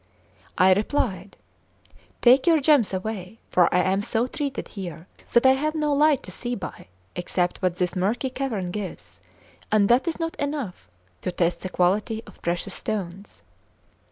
I replied: "Take your gems away, for I am so treated here that I have no light to see by except what this murky cavern gives, and that is not enough to test the quality of precious stones.